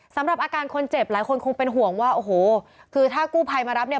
สำหรับอาการคนเจ็บหลายคนคงเป็นห่วงว่าโอ้โหคือถ้ากู้ภัยมารับเนี่ย